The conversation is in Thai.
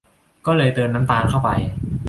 ก็เลยเติมน้ำตาลเข้าไป